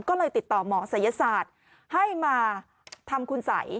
ก็เลยติดต่อหมอศัยศาสตร์ให้มาทำคุณสัย